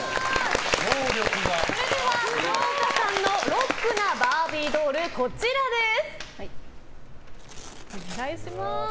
それでは廣岡さんのロックなバービードールです。